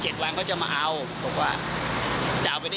ถ้าพิษมาสำนาจพิษก็ได้เงินถ้าพิษไม่ทำก็ไม่ได้